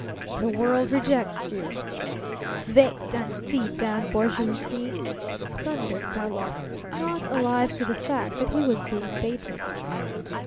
The world rejects you." "Wait and see, damned bourgeoisie!" thundered Karlov, not alive to the fact that he was being baited.